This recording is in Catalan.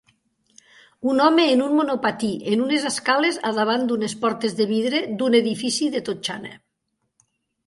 Un home en un monopatí en unes escales a davant d'unes portes de vidre d'un edifici de totxana.